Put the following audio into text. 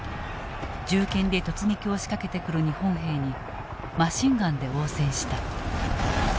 銃剣で突撃をしかけてくる日本兵にマシンガンで応戦した。